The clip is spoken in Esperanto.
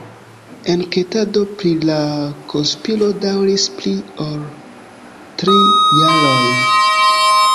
Enketado pri la konspiro daŭris pli ol tri jarojn.